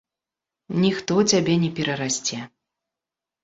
Ніхто цябе не перарасце.